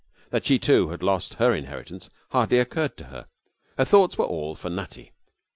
That she, too, had lost her inheritance hardly occurred to her. Her thoughts were all for Nutty.